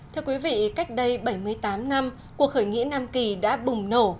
thưa quý vị cách đây bảy mươi tám năm cuộc khởi nghĩa nam kỳ đã bùng nổ